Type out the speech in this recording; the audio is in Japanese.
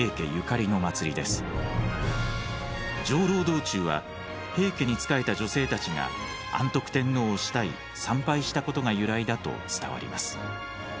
道中は平家に仕えた女性たちが安徳天皇を慕い参拝したことが由来だと伝わります。